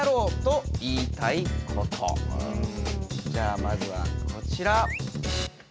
じゃあまずはこちら。